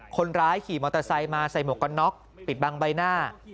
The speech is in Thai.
คนร้ายขี่มอเตอร์ไซค์มาใส่หมวกกันน็อกปิดบังใบหน้า